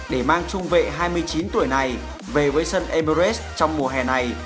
để mang trung vệ hai mươi chín tuổi này về với sân emorest trong mùa hè này